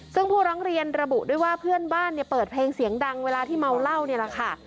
ซึ่งผู้ร้องเรียนระบุด้วยว่าเพื่อนบ้านเนี่ยเปิดเพลงเสียงดังเวลาที่เมาเหล้าเนี่ยแหละค่ะ